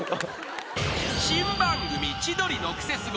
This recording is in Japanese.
［新番組『千鳥のクセスゴ！』］